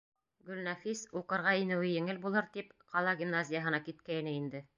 Гөлнәфис, уҡырға инеүе еңел булыр тип, ҡала гимназияһына киткәйне инде.